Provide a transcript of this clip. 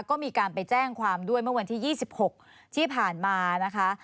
ก็มีการไปแจ้งความด้วยเมื่อวันที่๒๖ที่ผ่านมานะคะ